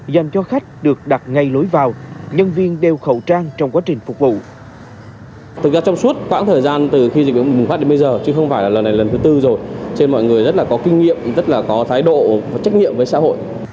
dành cho khách được đặt ngay lối vào nhân viên đeo khẩu trang trong quá trình phục vụ